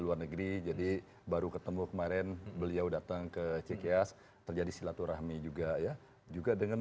luar negeri jadi baru ketemu kemarin beliau datang ke cks terjadi silaturahmi juga ya juga dengan